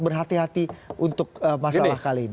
berhati hati untuk masalah kali ini